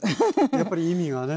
やっぱり意味がね。